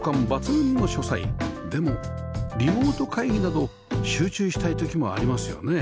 でもリモート会議など集中したい時もありますよね？